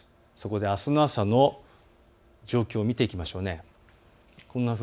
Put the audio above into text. あすの朝の状況を見ていきましょう。